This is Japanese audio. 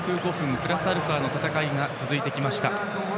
プラスアルファの戦いが続いてきました。